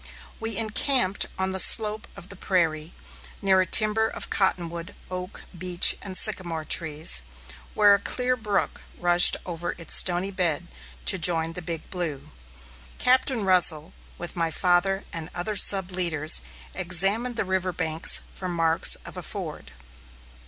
We encamped on the slope of the prairie, near a timber of cottonwood, oak, beech, and sycamore trees, where a clear brook rushed over its stony bed to join the Big Blue. Captain Russell, with my father and other sub leaders, examined the river banks for marks of a ford.